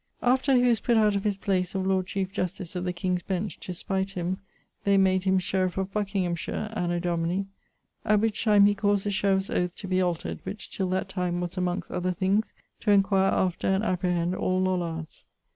After he was putt out of his place of Lord Chief Justice of the King's Bench, to spite him, they made him sheriff of Buckinghamshire, anno Dni ...; at which time he caused the sheriff's oath to be altered, which till that time was, amongst other things, to enquire after and apprehend all Lollards.